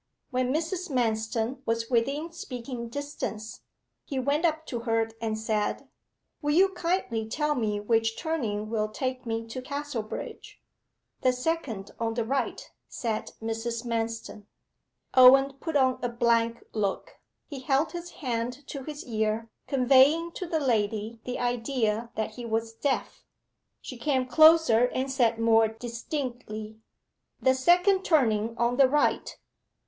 When Mrs. Manston was within speaking distance, he went up to her and said 'Will you kindly tell me which turning will take me to Casterbridge?' 'The second on the right,' said Mrs. Manston. Owen put on a blank look: he held his hand to his ear conveying to the lady the idea that he was deaf. She came closer and said more distinctly 'The second turning on the right.